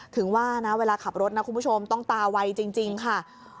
ถึงว่านะเวลาขับรถนะคุณผู้ชมต้องตาไวจริงค่ะ